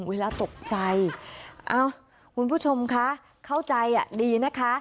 เวลาตกใจเอ้าคุณผู้ชมคะเข้าใจอ่ะดีนะคะ